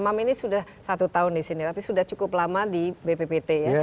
imam ini sudah satu tahun di sini tapi sudah cukup lama di bppt ya